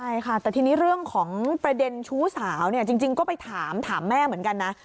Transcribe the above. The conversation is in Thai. ใช่ค่ะแต่ทีนี้เรื่องของประเด็นชู้สาวเนี่ยจริงก็ไปถามแม่เหมือนกันนะ